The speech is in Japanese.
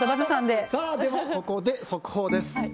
では、ここで速報です。